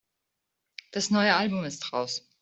Das neue Album ist raus.